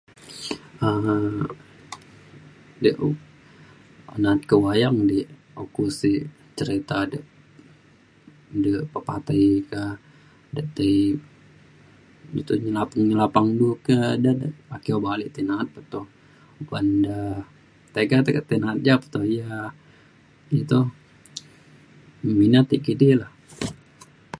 um [unintelligible] na'at ka wayang di oku sek cerita de de pepatai ka de tei u to je tai nyenapang nyenapang du ke da de ake obak alek na'at pe to uban da tiga te tei na'at ja pe toh ia iu toh minat e' ke edi lah